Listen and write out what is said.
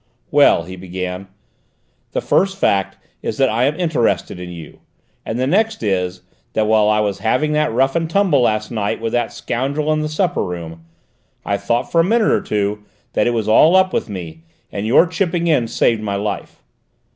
"Well," he began, "the first fact is that I am interested in you, and the next is, that while I was having that rough and tumble last night with that scoundrel in the supper room, I thought for a minute or two that it was all up with me: your chipping in saved my life.